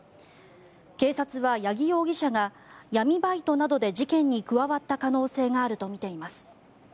警察は、八木容疑者が闇バイトなどで事件に加わった可能性があるとみています。